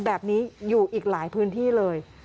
แบบนี้อยู่อีกหลายพื้นที่เลย